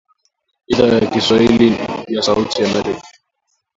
idhaa ya kiswahili ya sauti ya Amerika